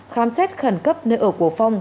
khám xét khẩn cấp nơi ở của phong